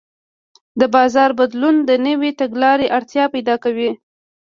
د بازار بدلون د نوې تګلارې اړتیا پیدا کوي.